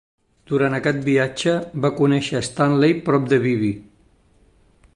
Durant aquest viatge va conèixer Stanley prop de Vivi.